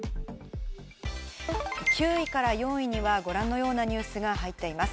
９位から４位にはご覧のようなニュースが入っています。